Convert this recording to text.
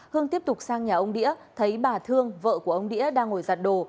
hương tiếp tục sang nhà ông đĩa thấy bà thương vợ của ông đĩa đang ngồi giặt đồ